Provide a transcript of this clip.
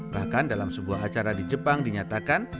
bahkan dalam sebuah acara di jepang dinyatakan